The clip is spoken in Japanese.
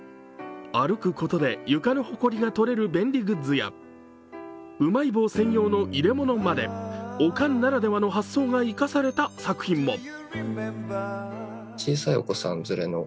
歩くことで床のほこりが取れる便利グッズやうまい棒専用の入れ物まで、おかんならではの発想が生かされた作品も。